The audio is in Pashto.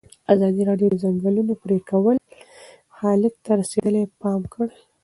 ازادي راډیو د د ځنګلونو پرېکول حالت ته رسېدلي پام کړی.